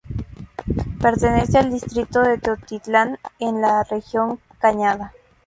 Pertenece al distrito de Teotitlán, en la región Cañada.